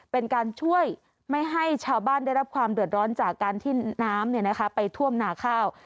เป็นการช่วยไม่ให้ชาวบ้านได้รับความเดือดร้อนจากการที่น้ำไปท่วมหนาข้าว